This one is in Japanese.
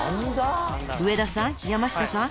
上田さん山下さん